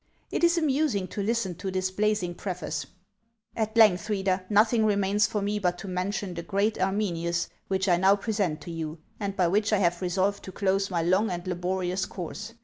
It is amusing to listen to this blazing preface: "At length, reader, nothing remains for me but to mention the great Arminius which I now present to you, and by which I have resolved to close my long and laborious course.